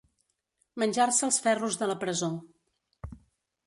Menjar-se els ferros de la presó.